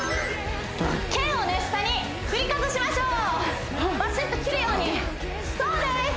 剣を下に振りかざしましょうバシッと切るようにそうです！